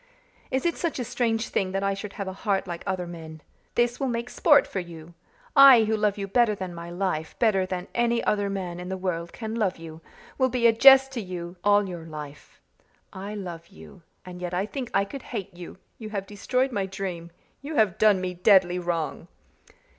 Is it such a strange thing that I should have a heart like other men? This will make sport for you! I, who love you better than my life, better than any other man in the world can love you, will be a jest to you all your life. I love you and yet I think I could hate you you have destroyed my dream you have done me deadly wrong."